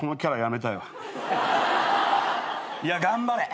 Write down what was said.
いや頑張れ。